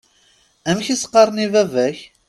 Amek i s-qqaṛen i baba-k?